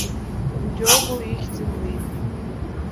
Џього ихьӡын уи.